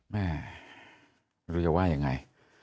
ไม่รู้จะว่ายังไง